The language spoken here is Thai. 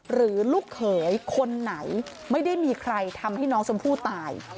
ลูกเขยคนไหนไม่ได้มีใครทำให้น้องชมพู่ตาย